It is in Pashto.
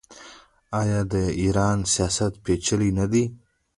آیا د ایران سیاست پیچلی نه دی؟